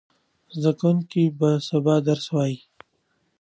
زده کوونکي به سبا درس وایي.